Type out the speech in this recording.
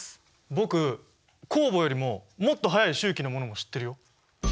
僕酵母よりももっと早い周期のものも知ってるよ。